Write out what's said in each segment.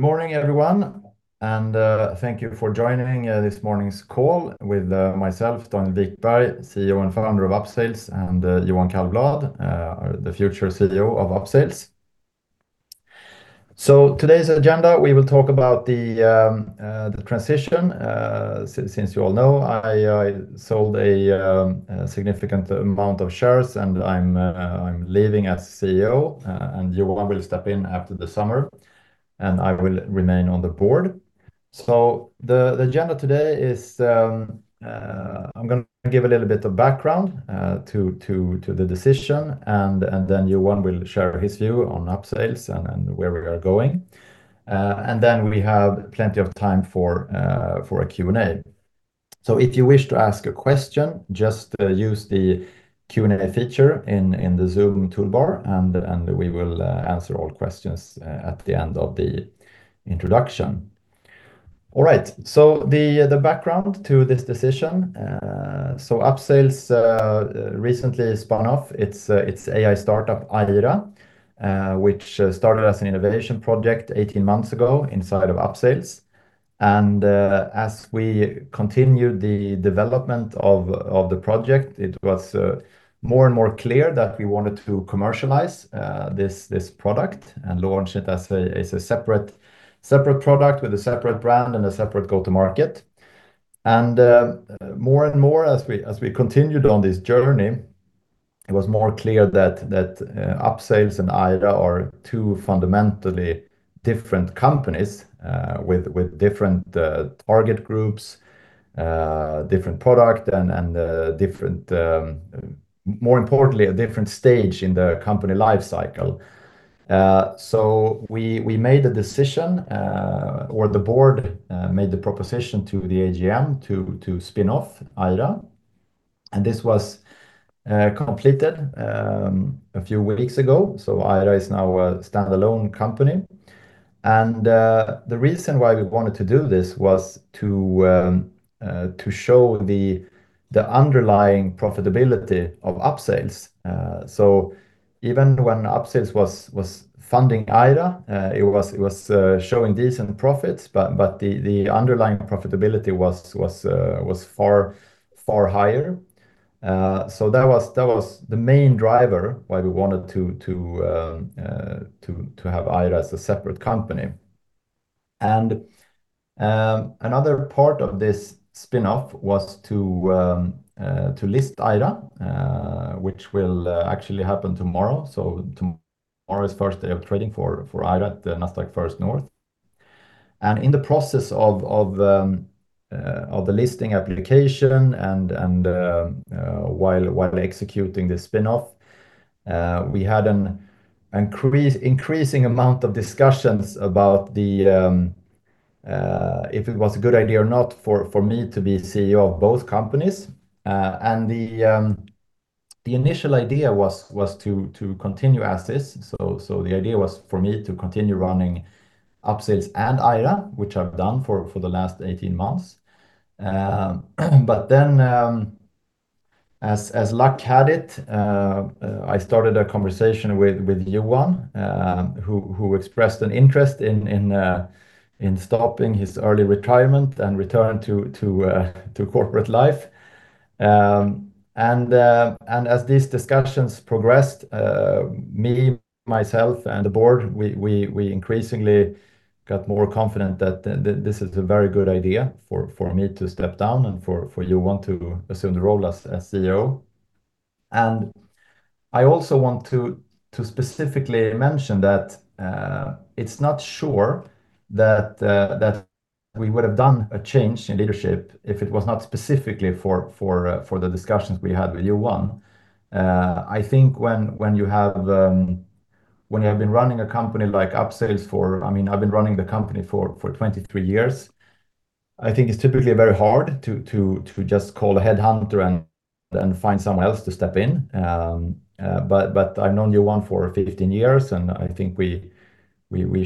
Good morning, everyone, and thank you for joining this morning's call with myself, Daniel Wikberg, CEO and Founder of Upsales, and Johan Kallblad, the future CEO of Upsales. Today's agenda, we will talk about the transition. Since you all know, I sold a significant amount of shares and I'm leaving as CEO, and Johan will step in after the summer, and I will remain on the board. The agenda today is I'm going to give a little bit of background to the decision, and then Johan will share his view on Upsales and where we are going. Then we have plenty of time for a Q&A. If you wish to ask a question, just use the Q&A feature in the Zoom toolbar, and we will answer all questions at the end of the introduction. All right. The background to this decision. Upsales recently spun off its AI startup, Aira, which started as an innovation project 18 months ago inside of Upsales. As we continued the development of the project, it was more and more clear that we wanted to commercialize this product and launch it as a separate product with a separate brand and a separate go-to market. More and more as we continued on this journey, it was more clear that Upsales and Aira are two fundamentally different companies, with different target groups, different product, and more importantly, a different stage in the company life cycle. We made a decision, or the board made the proposition to the AGM to spin off Aira, and this was completed a few weeks ago. Aira is now a standalone company. The reason why we wanted to do this was to show the underlying profitability of Upsales. Even when Upsales was funding Aira, it was showing decent profits, but the underlying profitability was far higher. That was the main driver why we wanted to have Aira as a separate company. Another part of this spinoff was to list Aira, which will actually happen tomorrow. Tomorrow is first day of trading for Aira at the Nasdaq First North. In the process of the listing application and while executing the spinoff, we had an increasing amount of discussions about if it was a good idea or not for me to be CEO of both companies. The initial idea was to continue as is. The idea was for me to continue running Upsales and Aira, which I've done for the last 18 months. As luck had it, I started a conversation with Johan, who expressed an interest in stopping his early retirement and return to corporate life. As these discussions progressed, me, myself, and the Board, we increasingly got more confident that this is a very good idea for me to step down and for Johan to assume the role as CEO. I also want to specifically mention that it's not sure that we would have done a change in leadership if it was not specifically for the discussions we had with Johan. I think when you have been running a company like Upsales, I've been running the company for 23 years. I think it's typically very hard to just call a headhunter and then find someone else to step in. I've known Johan for 15 years, and I think we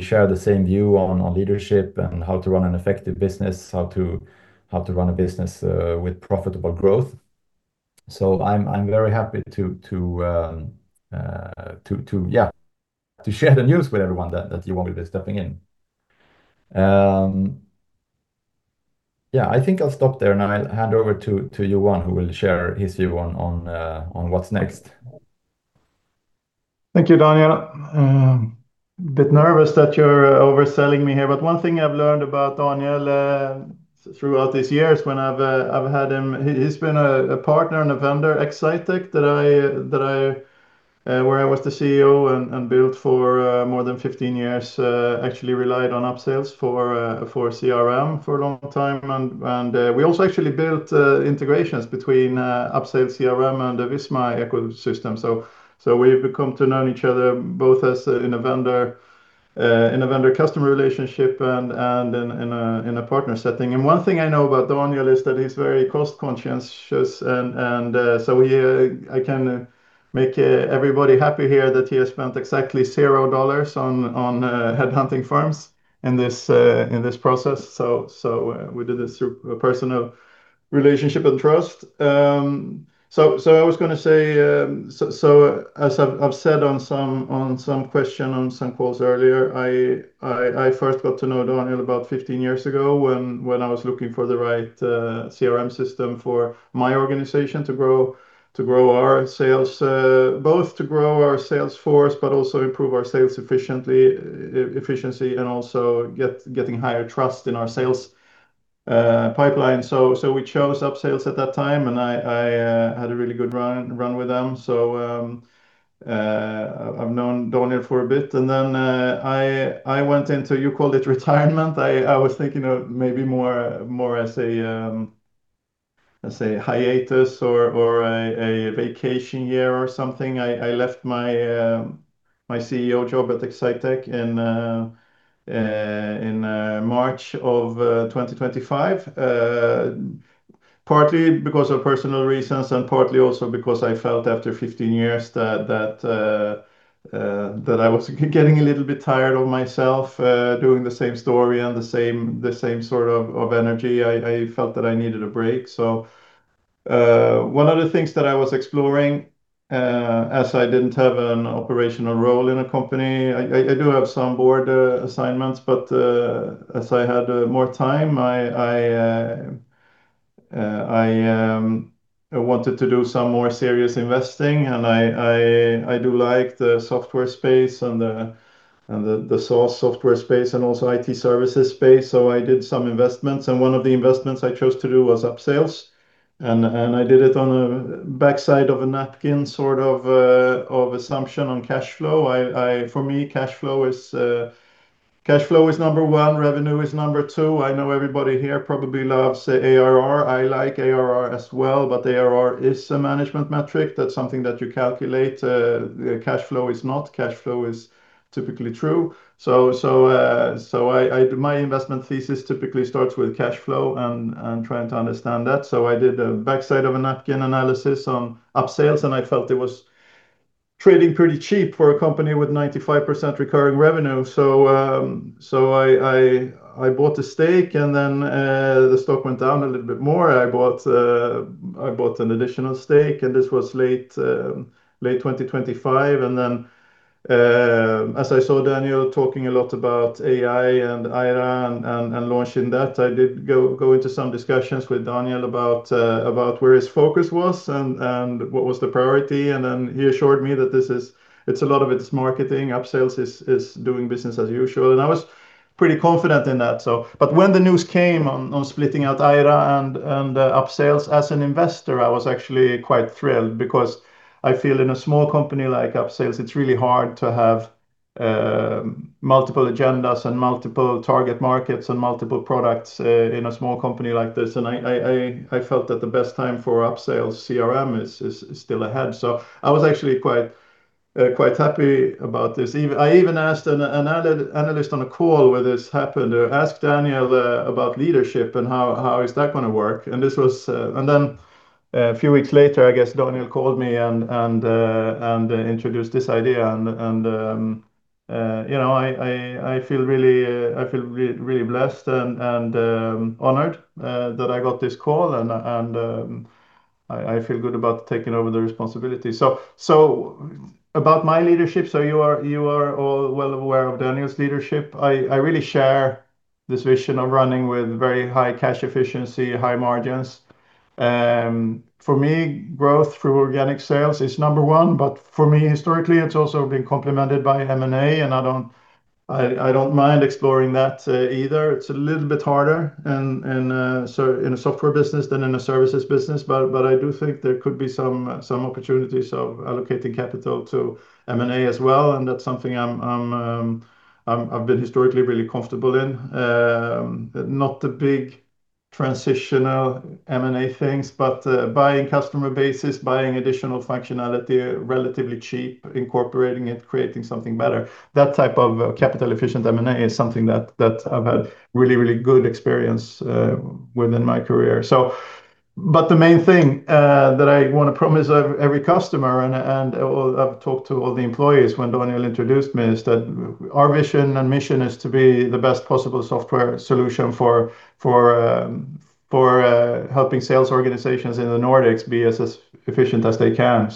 share the same view on leadership and how to run an effective business, how to run a business with profitable growth. I'm very happy to share the news with everyone that Johan will be stepping in. I think I'll stop there and I'll hand over to Johan, who will share his view on what's next. Thank you, Daniel. I'm a bit nervous that you're overselling me here. One thing I've learned about Daniel throughout these years, he's been a partner and a vendor at Exsitec, where I was the CEO and built for more than 15 years, actually relied on Upsales for CRM for a long time. We also actually built integrations between Upsales CRM and the Visma ecosystem. We've become to know each other both as in a vendor-customer relationship and in a partner setting. One thing I know about Daniel is that he's very cost-conscientious, and so I can make everybody happy here that he has spent exactly $0 on headhunting firms in this process. We did this through a personal relationship and trust. As I've said on some question, on some calls earlier, I first got to know Daniel about 15 years ago when I was looking for the right CRM system for my organization to grow our sales, both to grow our sales force, but also improve our sales efficiency and also getting higher trust in our sales pipeline. We chose Upsales at that time, and I had a really good run with them. I went into, you called it retirement. I was thinking of maybe more as a hiatus or a vacation year or something. I left my CEO job at Exsitec in March of 2025. Partly because of personal reasons and partly also because I felt after 15 years that I was getting a little bit tired of myself, doing the same story and the same sort of energy. I felt that I needed a break. One of the things that I was exploring, as I didn't have an operational role in a company, I do have some board assignments, but, as I had more time, I wanted to do some more serious investing, and I do like the software space and the SaaS software space and also IT services space. I did some investments, and one of the investments I chose to do was Upsales. I did it on a backside of a napkin sort of assumption on cash flow. For me, cash flow is number one, revenue is number two. I know everybody here probably loves ARR. I like ARR as well, but ARR is a management metric. That's something that you calculate. Cash flow is not. Cash flow is typically true. My investment thesis typically starts with cash flow and trying to understand that. I did a backside of a napkin analysis on Upsales, and I felt it was trading pretty cheap for a company with 95% recurring revenue. I bought a stake, the stock went down a little bit more. I bought an additional stake, and this was late 2025. As I saw Daniel talking a lot about AI and Aira and launching that, I did go into some discussions with Daniel about where his focus was and what was the priority. He assured me that a lot of it is marketing. Upsales is doing business as usual. I was pretty confident in that. When the news came on splitting out Aira and Upsales, as an investor, I was actually quite thrilled because I feel in a small company like Upsales, it's really hard to have multiple agendas and multiple target markets and multiple products in a small company like this. I felt that the best time for Upsales CRM is still ahead. I was actually quite happy about this. I even asked an analyst on a call where this happened, "Ask Daniel about leadership and how is that going to work." Then a few weeks later, I guess Daniel called me and introduced this idea. I feel really blessed and honored that I got this call, and I feel good about taking over the responsibility. About my leadership, you are all well aware of Daniel's leadership. I really share this vision of running with very high cash efficiency, high margins. For me, growth through organic sales is number one, but for me, historically, it's also been complemented by M&A, and I don't mind exploring that either. It's a little bit harder in a software business than in a services business, but I do think there could be some opportunities of allocating capital to M&A as well, and that's something I've been historically really comfortable in. Not the big transitional M&A things, but buying customer bases, buying additional functionality, relatively cheap, incorporating it, creating something better. That type of capital-efficient M&A is something that I've had really, really good experience within my career. The main thing that I want to promise every customer and I've talked to all the employees when Daniel introduced me, is that our vision and mission is to be the best possible software solution for helping sales organizations in the Nordics be as efficient as they can.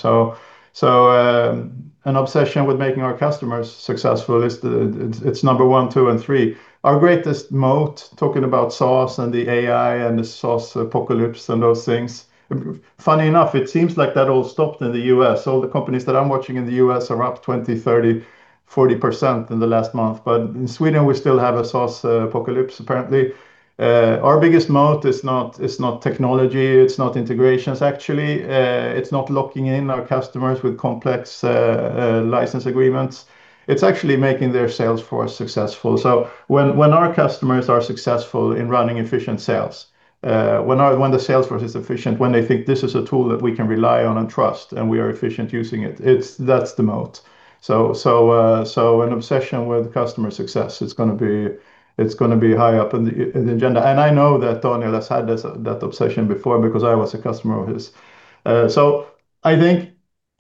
An obsession with making our customers successful, it's number one, two, and three. Our greatest moat, talking about SaaS and the AI and the SaaS apocalypse and those things. Funny enough, it seems like that all stopped in the U.S. All the companies that I'm watching in the U.S. are up 20%, 30%, 40% in the last month. In Sweden, we still have a SaaS apocalypse, apparently. Our biggest moat is not technology, it's not integrations, actually. It's not locking in our customers with complex license agreements. It's actually making their sales force successful. When our customers are successful in running efficient sales, when the sales force is efficient, when they think this is a tool that we can rely on and trust and we are efficient using it, that's the moat. An obsession with customer success, it's going to be high up in the agenda. I know that Daniel has had that obsession before because I was a customer of his.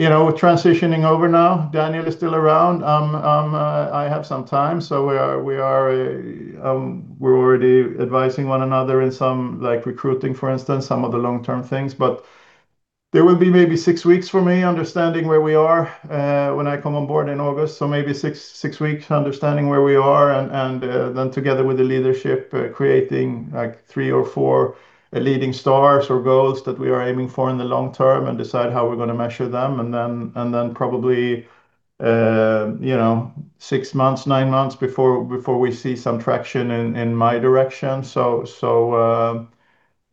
We're transitioning over now. Daniel is still around. I have some time, so we're already advising one another in some recruiting, for instance, some of the long-term things. There will be maybe six weeks for me understanding where we are when I come on board in August. Maybe six weeks understanding where we are and then together with the leadership, creating three or four leading stars or goals that we are aiming for in the long term and decide how we're going to measure them. Probably, six months, nine months before we see some traction in my direction.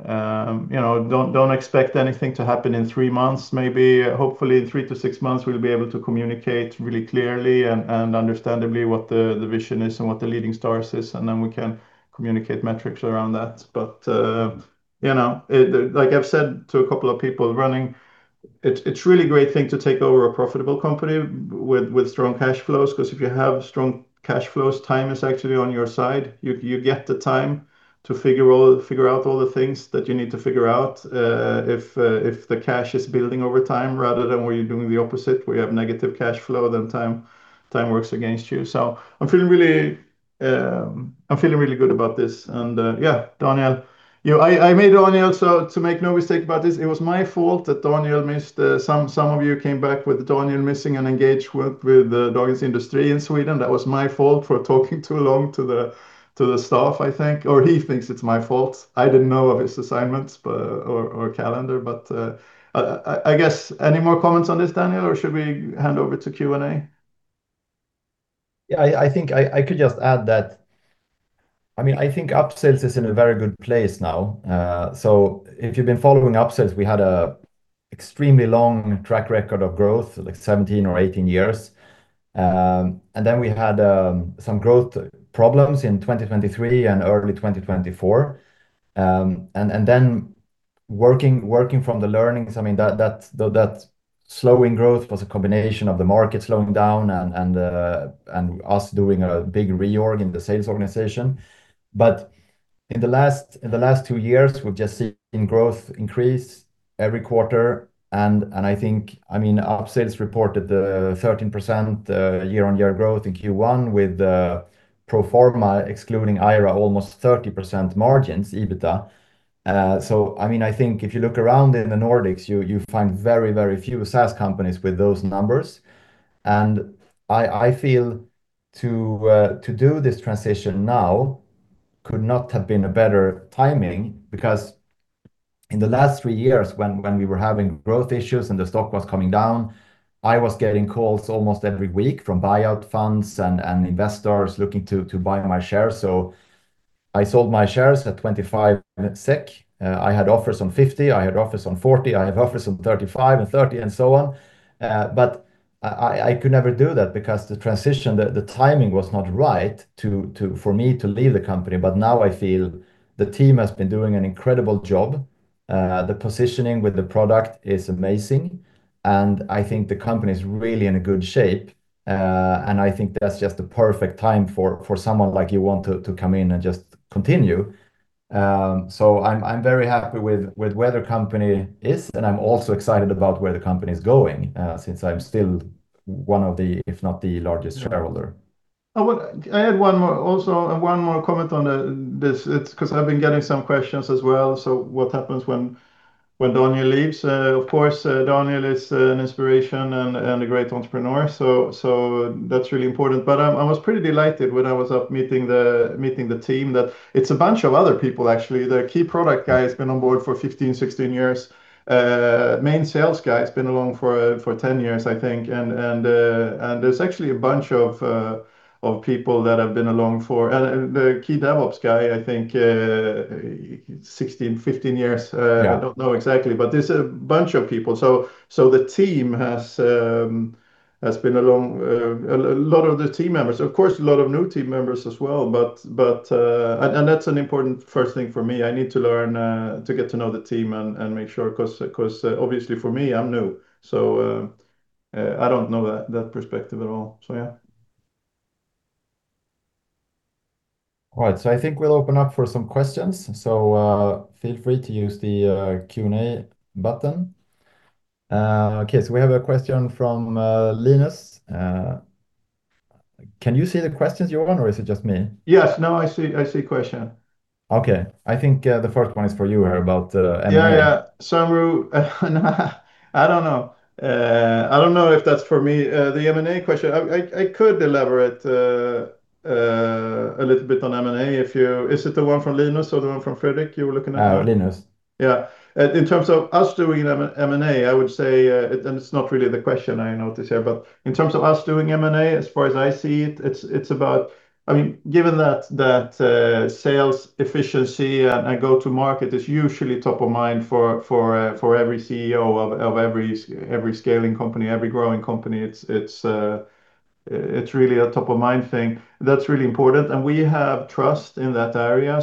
Don't expect anything to happen in three months, maybe. Hopefully, in three to six months, we'll be able to communicate really clearly and understandably what the vision is and what the leading stars is, and then we can communicate metrics around that. Like I've said to a couple of people running, it's really a great thing to take over a profitable company with strong cash flows because if you have strong cash flows, time is actually on your side. You get the time to figure out all the things that you need to figure out if the cash is building over time, rather than when you're doing the opposite, where you have negative cash flow, then time works against you. I'm feeling really good about this. Yeah, Daniel. I made Daniel, to make no mistake about this, it was my fault that Daniel. Some of you came back with Daniel missing an engagement with the [Saas] industry in Sweden. That was my fault for talking too long to the staff, I think, or he thinks it's my fault. I didn't know of his assignments or calendar. I guess any more comments on this, Daniel, or should we hand over to Q&A? Yeah, I think I could just add that, I think Upsales is in a very good place now. If you've been following Upsales, we had a extremely long track record of growth, like 17 or 18 years. Then we had some growth problems in 2023 and early 2024. Working from the learnings, that slowing growth was a combination of the market slowing down and us doing a big reorg in the sales organization. In the last two years, we've just seen growth increase every quarter. I think Upsales reported 13% year-on-year growth in Q1 with pro forma excluding Aira, almost 30% margins, EBITDA. I think if you look around in the Nordics, you find very few SaaS companies with those numbers, and I feel to do this transition now could not have been a better timing. In the last three years when we were having growth issues and the stock was coming down, I was getting calls almost every week from buyout funds and investors looking to buy my shares. I sold my shares at 25 SEK. I had offers on 50, I had offers on 40, I have offers on 35 and 30, and so on. I could never do that because the transition, the timing was not right for me to leave the company. Now I feel the team has been doing an incredible job. The positioning with the product is amazing, and I think the company's really in a good shape. I think that's just the perfect time for someone like Johan to come in and just continue. I'm very happy with where the company is, and I'm also excited about where the company's going, since I'm still one of the, if not the largest shareholder. I had one more comment on this. It's because I've been getting some questions as well. What happens when Daniel leaves? Of course, Daniel is an inspiration and a great entrepreneur, so that's really important. I was pretty delighted when I was up meeting the team, that it's a bunch of other people, actually. The key product guy has been on board for 15, 16 years. Main sales guy's been along for 10 years, I think. The key DevOps guy, I think, 16, 15 years. Yeah. I don't know exactly, but there's a bunch of people. The team has been along, a lot of the team members. Of course, a lot of new team members as well, and that's an important first thing for me. I need to learn to get to know the team and make sure, because obviously, for me, I'm new, so I don't know that perspective at all. Yeah. All right. I think we'll open up for some questions. Feel free to use the Q&A button. Okay, we have a question from Linus. Can you see the questions, Johan, or is it just me? Yes. No, I see question. Okay. I think the first one is for you. About M&A. Yeah. I don't know if that's for me. The M&A question, I could elaborate a little bit on M&A. Is it the one from Linus or the one from Frederick you were looking at? Linus. Yeah. In terms of us doing M&A, I would say, and it's not really the question, I notice here, but in terms of us doing M&A, as far as I see it, given that sales efficiency and go-to market is usually top of mind for every CEO of every scaling company, every growing company, it's really a top-of-mind thing. That's really important, and we have trust in that area.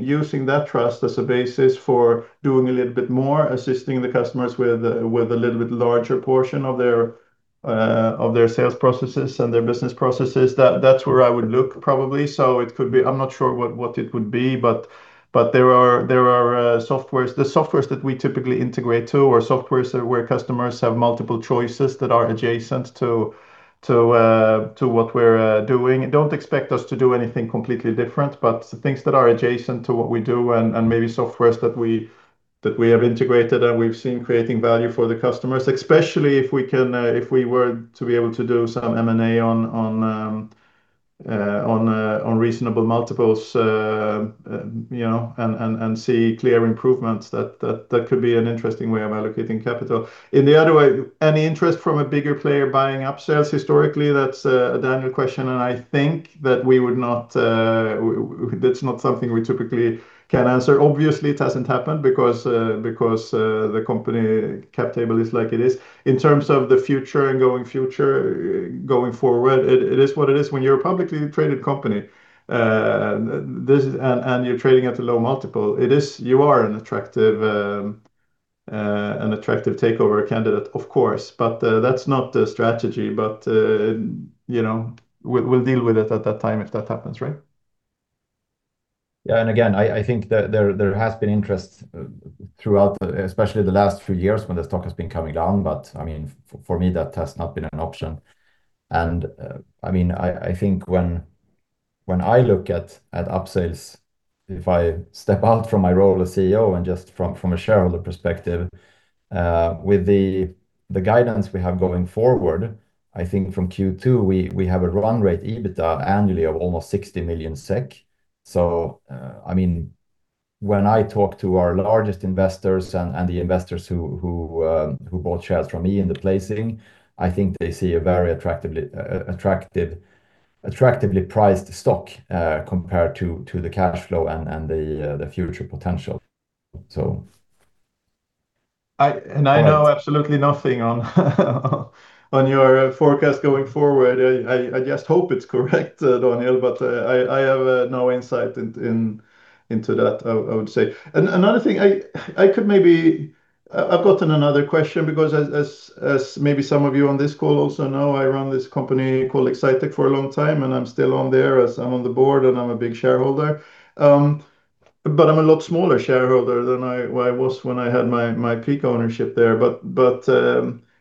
Using that trust as a basis for doing a little bit more, assisting the customers with a little bit larger portion of their sales processes and their business processes. That's where I would look probably. I'm not sure what it would be, but there are softwares. The softwares that we typically integrate to are softwares where customers have multiple choices that are adjacent to what we're doing. Don't expect us to do anything completely different. The things that are adjacent to what we do and maybe software that we have integrated, and we've seen creating value for the customers, especially if we were to be able to do some M&A on reasonable multiples, and see clear improvements, that could be an interesting way of allocating capital. In the other way, any interest from a bigger player buying Upsales historically, that's a Daniel question, and I think that's not something we typically can answer. Obviously, it hasn't happened because the company cap table is like it is. In terms of the future and going forward, it is what it is. When you're a publicly traded company, and you're trading at a low multiple, you are an attractive takeover candidate, of course. That's not the strategy, but we'll deal with it at that time if that happens, right? Yeah. Again, I think there has been interest throughout, especially the last few years when the stock has been coming down. For me, that has not been an option. I think when I look at Upsales, if I step out from my role as CEO and just from a shareholder perspective, with the guidance we have going forward, I think from Q2, we have a run rate EBITDA annually of almost 60 million SEK. When I talk to our largest investors and the investors who bought shares from me in the placing, I think they see a very attractively priced stock, compared to the cash flow and the future potential. I know absolutely nothing on your forecast going forward. I just hope it's correct, Daniel, I have no insight into that, I would say. Another thing, I've gotten another question because as maybe some of you on this call also know, I run this company called Exsitec for a long time, and I'm still on there as I'm on the board, and I'm a big shareholder. I'm a lot smaller shareholder than I was when I had my peak ownership there.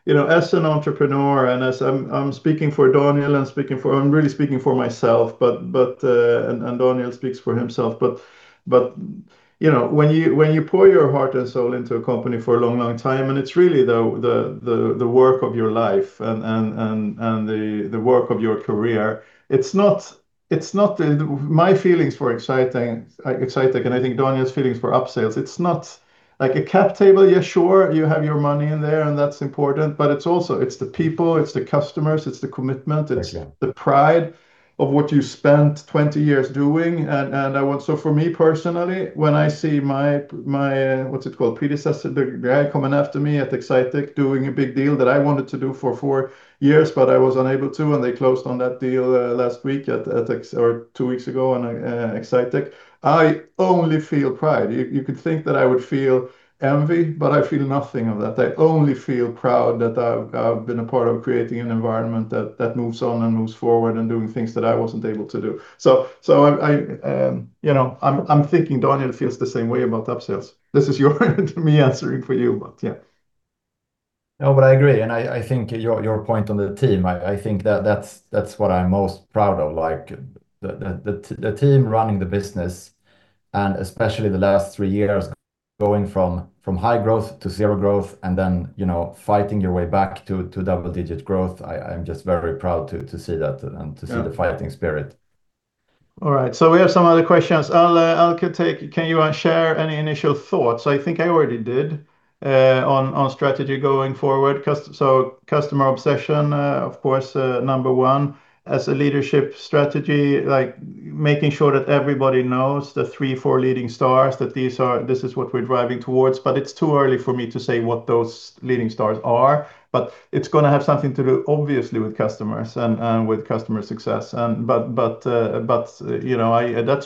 As an entrepreneur, and I'm speaking for Daniel and I'm really speaking for myself, and Daniel speaks for himself. When you pour your heart and soul into a company for a long, long time, and it's really the work of your life and the work of your career. My feelings for Exsitec, and I think Daniel's feelings for Upsales, it's not like a cap table. Yeah, sure, you have your money in there, and that's important, but it's the people, it's the customers, it's the commitment. Yeah the pride of what you spent 20 years doing. For me personally, when I see my, what's it called, predecessor, the guy coming after me at Exsitec doing a big deal that I wanted to do for four years, I was unable to, and they closed on that deal last week or two weeks ago on Exsitec, I only feel pride. You could think that I would feel envy, I feel nothing of that. I only feel proud that I've been a part of creating an environment that moves on and moves forward and doing things that I wasn't able to do. I'm thinking Daniel feels the same way about Upsales. This is me answering for you, yeah. No, I agree, and I think your point on the team, I think that's what I'm most proud of, the team running the business, and especially the last three years, going from high growth to zero growth and then fighting your way back to double-digit growth. I'm just very proud to see that and to see the fighting spirit. All right. We have some other questions. All right, Kallblad can you share any initial thoughts, I think I already did, on strategy going forward? Customer obsession, of course, number one, as a leadership strategy, making sure that everybody knows the three, four leading stars, that this is what we're driving towards, but it's too early for me to say what those leading stars are. It's going to have something to do, obviously, with customers and with customer success. That's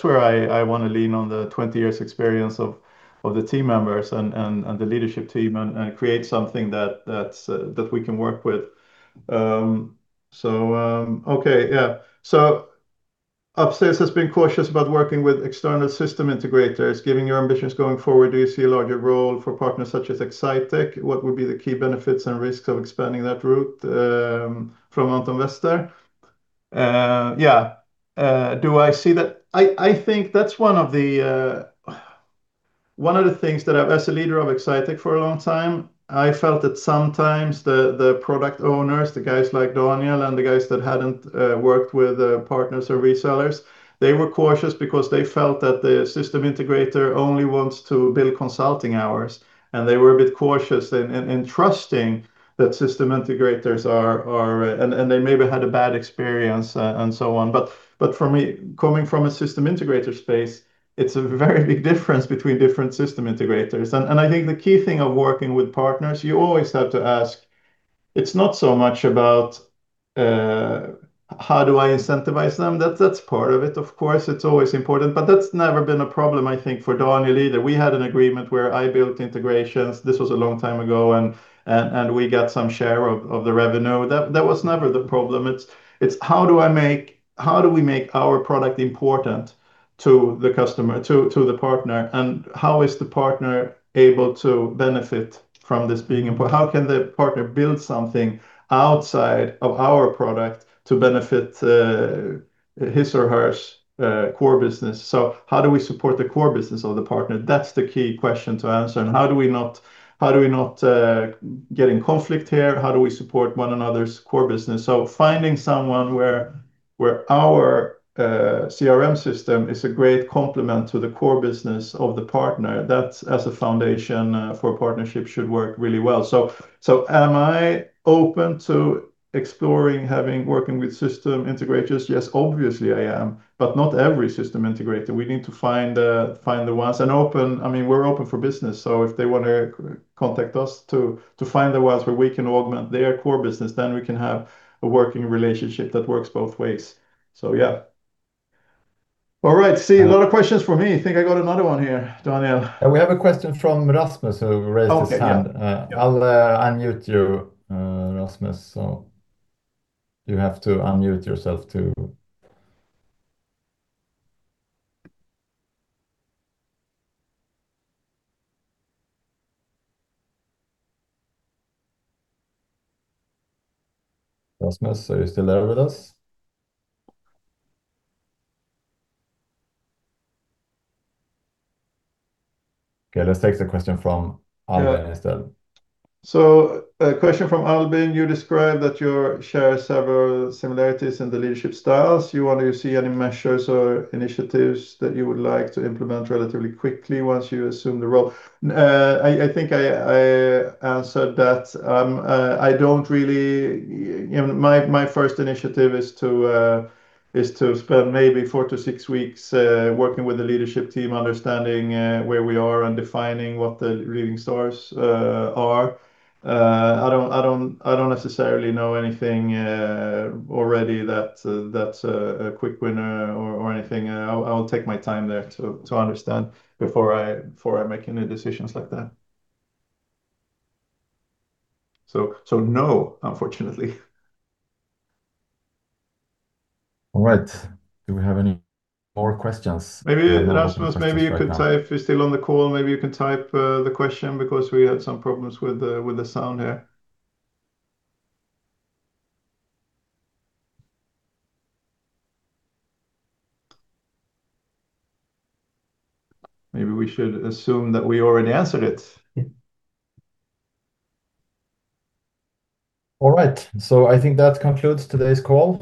where I want to lean on the 20 years' experience of the team members and the leadership team and create something that we can work with. Okay. Yeah. Upsales has been cautious about working with external system integrators. Given your ambitions going forward, do you see a larger role for partners such as Exsitec? What would be the key benefits and risks of expanding that route from Anton Wester? Yeah. I think that's one of the things that as a leader of Exsitec for a long time, I felt that sometimes the product owners, the guys like Daniel and the guys that hadn't worked with partners or resellers, they were cautious because they felt that the system integrator only wants to build consulting hours, they maybe had a bad experience and so on. For me, coming from a system integrator space, it's a very big difference between different system integrators. I think the key thing of working with partners, you always have to ask, it's not so much about, how do I incentivize them? That's part of it, of course. It's always important, but that's never been a problem, I think, for Daniel either. We had an agreement where I built integrations. This was a long time ago, and we got some share of the revenue. That was never the problem. It's how do we make our product important to the partner, and how is the partner able to benefit from this being important? How can the partner build something outside of our product to benefit his or her core business? How do we support the core business of the partner? That's the key question to answer. How do we not get in conflict here? How do we support one another's core business? Finding someone where our CRM system is a great complement to the core business of the partner. That, as a foundation for a partnership, should work really well. Am I open to exploring working with system integrators? Yes, obviously I am, but not every system integrator. We need to find the ones and open. We're open for business, so if they want to contact us to find the ones where we can augment their core business, then we can have a working relationship that works both ways. Yeah. All right. See, a lot of questions for me. Think I got another one here, Daniel. We have a question from Rasmus who raised his hand. Okay. Yeah. I'll unmute you, Rasmus. You have to unmute yourself too. Rasmus, are you still there with us? Okay, let's take the question from Albin instead. A question from Albin. You described that you share several similarities in the leadership styles. You want to see any measures or initiatives that you would like to implement relatively quickly once you assume the role. I think I answered that. My first initiative is to spend maybe four to six weeks working with the leadership team, understanding where we are and defining what the leading stars are. I don't necessarily know anything already that's a quick winner or anything. I'll take my time there to understand before I make any decisions like that. No, unfortunately. All right. Do we have any more questions? Maybe Rasmus, if you're still on the call, maybe you can type the question because we had some problems with the sound here. Maybe we should assume that we already answered it. All right. I think that concludes today's call.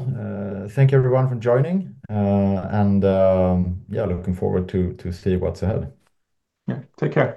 Thank you, everyone, for joining. Yeah, looking forward to see what's ahead. Yeah. Take care.